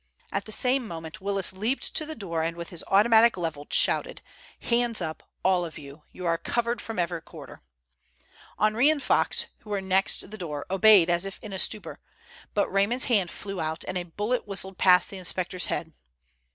At the same moment Willis leaped to the door, and with his automatic levelled, shouted, "Hands up, all of you! You are covered from every quarter!" Henri and Fox, who were next the door, obeyed as if in a stupor, but Raymond's hand flew out, and a bullet whistled past the inspector's head.